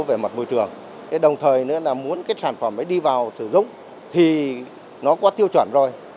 về mặt môi trường đồng thời nữa là muốn cái sản phẩm ấy đi vào sử dụng thì nó có tiêu chuẩn rồi